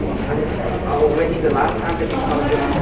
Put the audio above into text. เอาไว้ที่ตลาดอาจจะติดเข้าด้วย